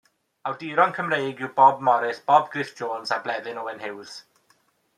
Awduron Cymreig yw Bob Morris, Bob Gruff Jones a Bleddyn Owen Huws.